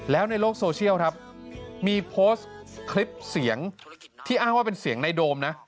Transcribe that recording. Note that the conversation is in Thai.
แล้วในโลกโซเชียลครับมีโพสต์คลิปเสียงที่อ้างว่าเป็นเสียงในโดมนะ